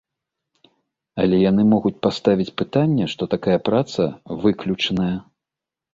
Але яны могуць паставіць пытанне, што такая праца выключаная.